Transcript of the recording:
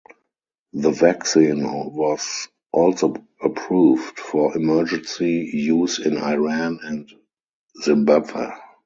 The vaccine was also approved for emergency use in Iran and Zimbabwe.